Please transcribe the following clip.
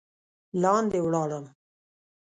لاندې ولاړم.